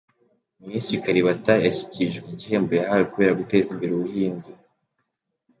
Minisitiri Kalibata yashyikirijwe igihembo yahawe kubera guteza imbere ubuhinzi